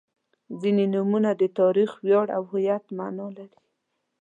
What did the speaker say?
• ځینې نومونه د تاریخ، ویاړ او هویت معنا لري.